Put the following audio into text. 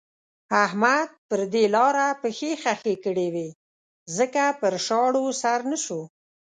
احمد پر دې لاره پښې خښې کړې وې ځکه پر شاړو سر نه شو.